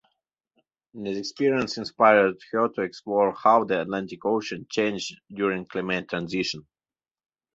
This experience inspired her to explore how the Atlantic Ocean changed during climate transitions.